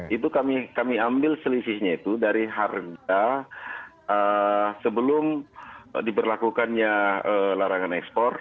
itu kami ambil selisihnya itu dari harga sebelum diberlakukannya larangan ekspor